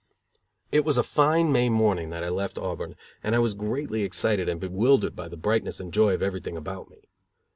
It was a fine May morning that I left Auburn and I was greatly excited and bewildered by the brightness and joy of everything about me.